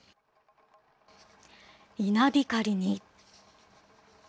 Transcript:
稲光に。